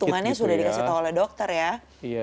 tadi itungannya sudah dikasih tau oleh dokter ya